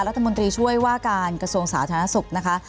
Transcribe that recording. รัฐมนตรีช่วยว่าการกระทรวงสาธารณสุขนะคะ